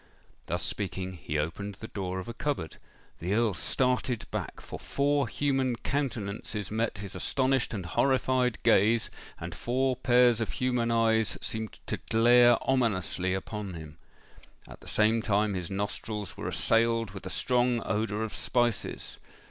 Thus speaking, he opened the door of a cupboard. The Earl started back—for four human countenances met his astonished and horrified gaze, and four pairs of human eyes seemed to glare ominously upon him. At the same time his nostrils were assailed with a strong odour of spices.